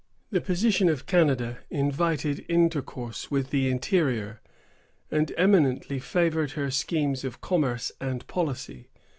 The position of Canada invited intercourse with the interior, and eminently favored her schemes of commerce and policy.